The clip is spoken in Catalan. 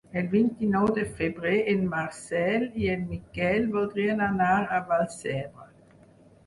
El vint-i-nou de febrer en Marcel i en Miquel voldrien anar a Vallcebre.